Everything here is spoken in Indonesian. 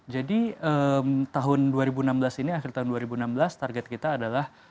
jadi tahun dua ribu enam belas ini akhir tahun dua ribu enam belas target kita adalah